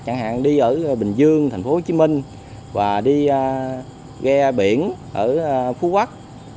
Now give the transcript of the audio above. chẳng hạn đi ở bình dương tp hcm và đi ghe biển ở phú quốc